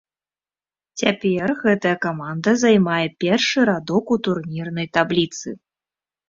Цяпер гэтая каманда займае першы радок у турнірнай табліцы.